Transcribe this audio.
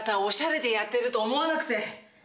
オシャレでやってると思わなくて！